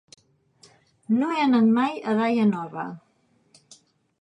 No he anat mai a Daia Nova.